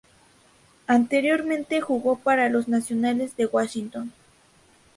Anteriormente jugó para los Nacionales de Washington.